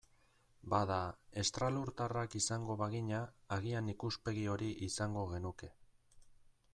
Bada, estralurtarrak izango bagina, agian ikuspegi hori izango genuke.